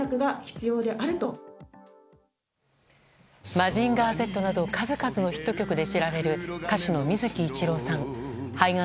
「マジンガーＺ」など数々のヒット曲で知られる歌手の水木一郎さん。